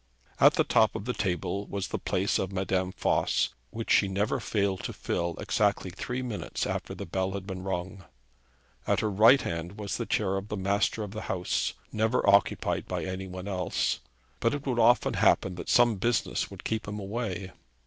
At the top of the table was the place of Madame Voss, which she never failed to fill exactly three minutes after the bell had been rung. At her right hand was the chair of the master of the house, never occupied by any one else; but it would often happen that some business would keep him away.